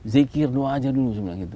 zikir doa aja dulu saya bilang